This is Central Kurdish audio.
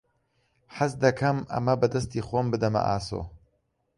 حەز دەکەم ئەمە بە دەستی خۆم بدەمە ئاسۆ.